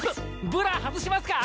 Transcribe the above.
ブブラ外しますか！？